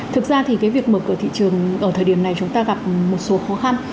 thực ra thì cái việc mở cửa thị trường ở thời điểm này chúng ta gặp một số khó khăn